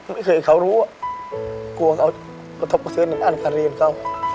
ไม่เคยเขารู้เกลี้วเขาท่อภาษีหน้าการเรียนเขา